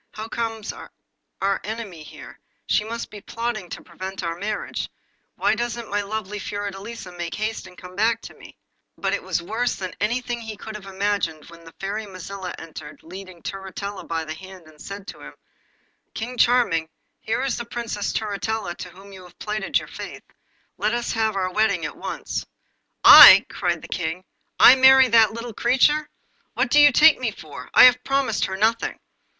'How comes our enemy here? She must be plotting to prevent our marriage. Why doesn't my lovely Fiordelisa make haste and come hack to me?' But it was worse than anything he had imagined when the Fairy Mazilla entered, leading Turritella by the hand, and said to him 'King Charming, here is the Princess Turritella to whom you have plighted your faith. Let us have the wedding at once.' 'I!' cried the King. 'I marry that little creature! What do you take me for? I have promised her nothing!